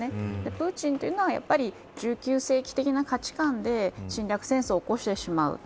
プーチンというのは１９世紀的な価値感で侵略戦争を起こしてしまう。